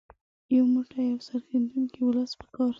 یو موټی او سرښندونکی ولس په کار دی.